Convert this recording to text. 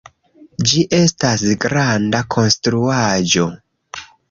Ĝi estas granda konstruaĵo